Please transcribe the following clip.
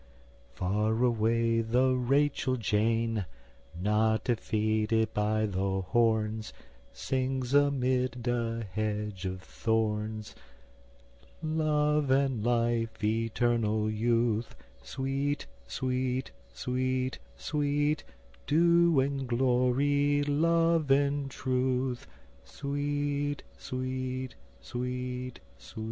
# Far away the Rachel Jane Not defeated by the horns Sings amid a hedge of thorns: "Love and life, Eternal youth Sweet, sweet, sweet, sweet, Dew and glory, Love and truth, Sweet, sweet, sweet, sweet."